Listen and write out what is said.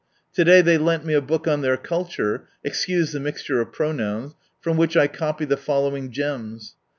To day they lent me a book on their culture {excuse the mixture of pronouns) from which I copy the following gems.